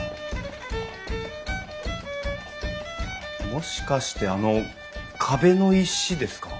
もしかしてあの壁の石ですか？